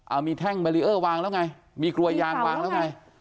เอามีแท่งแบรีเออร์วางแล้วไงมีกลวยยางวางแล้วไง